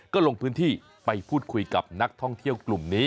ก็ลงพื้นที่ไปพูดคุยกับนักท่องเที่ยวกลุ่มนี้